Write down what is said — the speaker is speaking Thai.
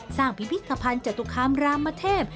สร้างพิพิษภัณฑ์จตุคามรามเทพ